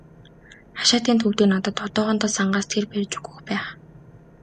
Хашаатын төв дээр надад одоохондоо сангаас гэр барьж өгөх байх.